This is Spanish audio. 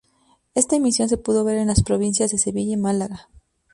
Esta emisión se pudo ver en las provincias de Sevilla y Málaga.